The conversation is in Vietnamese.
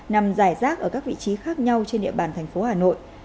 nằm dài rác ở các vị trí khác nhau trên địa bàn thành phố hà nội